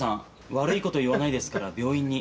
悪いこと言わないですから病院に。